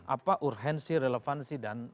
apa urgensi relevansi dan